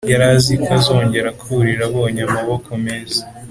yari azi ko azongera kurira abonye amaboko meza,